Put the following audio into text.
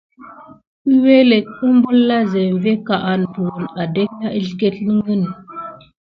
Əwelet umbul na zenve ka an buwune adek əsleget ləŋgə.